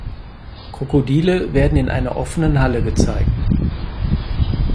Krokodile werden in einer offenen Halle gezeigt.